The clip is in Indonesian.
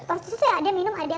prostitusi ada minum ada